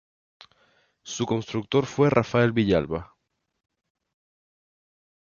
Su constructor fue Rafael Villalba.